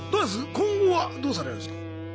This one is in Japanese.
今後はどうされるんですか？